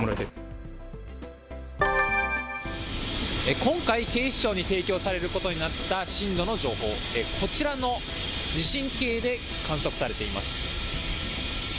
今回、警視庁に提供されることになった震度の情報、こちらの地震計で観測されています。